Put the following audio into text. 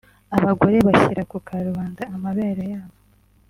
abagore bashyira ku karubanda amabere yabo